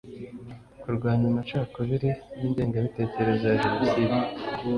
kurwanya amacakubiri n’ingengabitekerezo ya jenoside